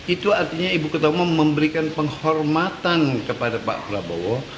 itu artinya ibu ketua umum memberikan penghormatan kepada pak prabowo